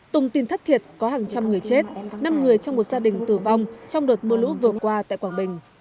tùng tin thất thiệt có hàng trăm người chết năm người trong một gia đình tử vong trong đợt mưa lũ vừa qua tại quảng bình